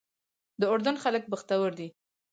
د اردن خلک بختور دي.